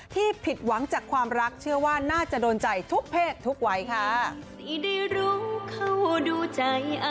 ผิดหวังจากความรักเชื่อว่าน่าจะโดนใจทุกเพศทุกวัยค่ะ